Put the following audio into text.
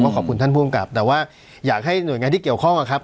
ขอบคุณท่านผู้อำกับแต่ว่าอยากให้หน่วยงานที่เกี่ยวข้องนะครับ